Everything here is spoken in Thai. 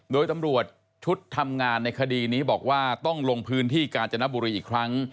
โดยตำรวจชุดทำงานในคดีนี้บอกว่าต้องลงพื้นที่กาญจนบุรีอีกครั้ง